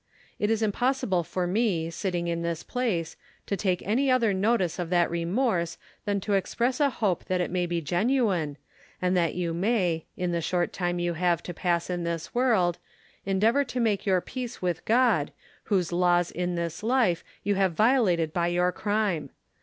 It is impossible for me, sitting in this place, to take any other notice of that remorse than to express a hope that it may be genuine, and that you may, in the short time you have to pass in this world, endeavour to make your peace with God, whose laws in this life you have violated by your crime.